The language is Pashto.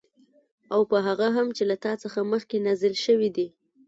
او په هغه هم چې له تا څخه مخكي نازل شوي دي